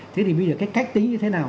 thế thì bây giờ cái cách tính như thế nào